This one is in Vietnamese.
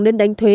nên đánh thuế